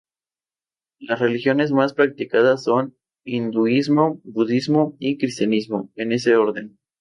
Las religiones más practicadas son hinduismo, budismo y cristianismo, en ese orden.